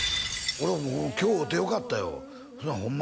俺もう今日会うてよかったよホンマ